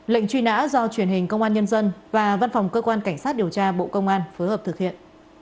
lệnh truy nã do truyền hình công an nhân dân và văn phòng cơ quan cảnh sát điều tra bộ công an phối hợp thực hiện